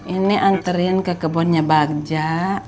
ini anterin ke kebunnya bagja